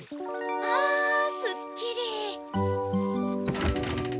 あすっきり！